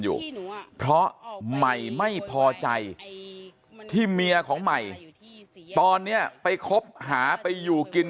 อยู่เพราะใหม่ไม่พอใจที่เมียของใหม่ตอนนี้ไปคบหาไปอยู่กิน